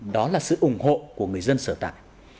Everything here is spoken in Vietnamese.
đó là sự ủng hộ của người dân sở tại